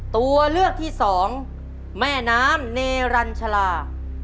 ตัวเลือกที่สองแม่น้ำเนรัญชาลา